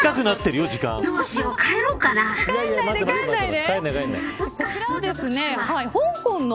帰らないで。